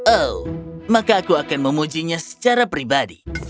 oh maka aku akan memujinya secara pribadi